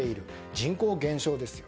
人口減少ですよ。